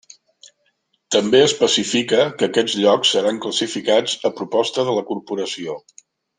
També especifica que aquests llocs seran classificats a proposta de la corporació.